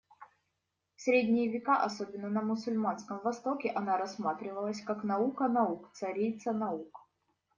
В Средние века, особенно на мусульманском Востоке она рассматривалась как наука наук, царица наук.